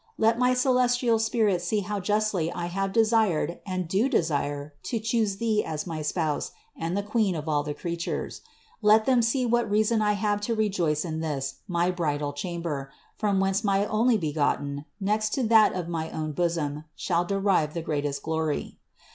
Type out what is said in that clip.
Let my celestial spirits see how justly I have desired and do desire to choose thee as my Spouse and the Queen of all the creatures. Let them see what good reason I have to rejoice in this my bridal chamber, from whence my Onlybegotten, next to that of my own bosom, shall derive the greatest glory.